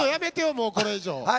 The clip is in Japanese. もうこれ以上。